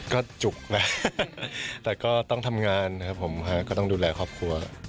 ก็จุกนะแต่ก็ต้องทำงานครับผมก็ต้องดูแลครอบครัว